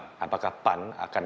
apakah pan akan kemudian mengundurkan